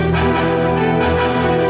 ndra kamu udah nangis